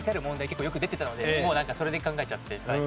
結構よく出てたのでもうなんかそれで考えちゃって。